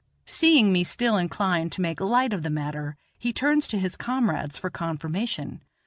Seeing me still inclined to make light of the matter, he turns to his comrades for confirmation.